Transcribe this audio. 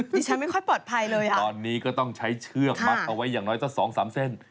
ไม่ค่อยปลอดภัยเลยอ่ะตอนนี้ก็ต้องใช้เชือกมัดเอาไว้อย่างน้อยสักสองสามเส้น